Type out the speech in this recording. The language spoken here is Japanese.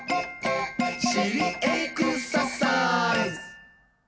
「しりエクササイズ！」